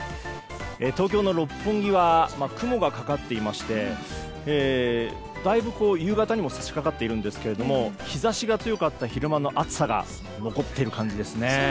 東京の六本木は雲がかかっていましてだいぶ夕方にも差し掛かっているんですが日差しが強かった昼間の暑さが残っている感じですね。